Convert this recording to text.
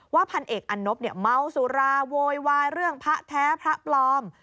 พันเอกอันนบเมาสุราโวยวายเรื่องพระแท้พระปลอม